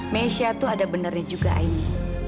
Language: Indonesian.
mesia tuh ada benernya juga aini